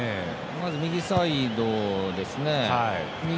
まず右サイドですね。